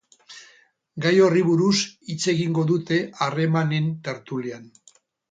Gai horri buruz hitz egingo dute harramenen tertulian.